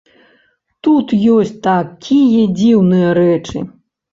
Тут ёсць такія дзіўныя рэчы!